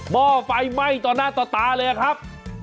ห้อไฟไหม้ต่อหน้าต่อตาเลยครับ